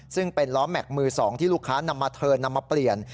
ซึ่งเป็นล้อแม็กซ์มือ๒ที่ลูกค้านำมาเทิร์นนำมาเปลี่ยน